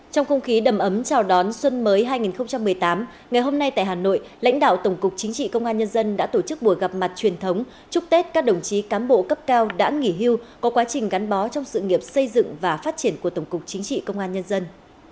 trong không khí đầm ấm chào đón xuân mới hai nghìn một mươi tám ngày hôm nay tại hà nội lãnh đạo tổng cục chính trị công an nhân dân đã tổ chức buổi gặp mặt truyền thống chúc tết các đồng chí cám bộ cấp cao đã nghỉ hưu có quá trình gắn bó trong sự nghiệp xây dựng và phát triển của tổng cục chính trị công an nhân dân